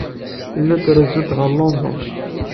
Llant rezzunt ɣef London.